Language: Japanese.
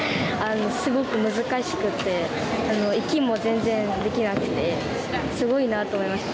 すごく難しくて息も全然できなくてすごいなと思いました。